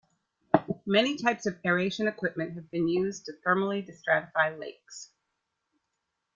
Many types of aeration equipment have been used to thermally destratify lakes.